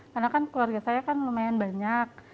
karena kan keluarga saya lumayan banyak